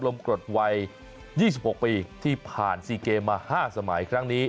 กรดวัย๒๖ปีที่ผ่าน๔เกมมา๕สมัยครั้งนี้